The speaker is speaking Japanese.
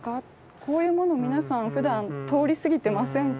こういうものを皆さんふだん通り過ぎてませんか？」。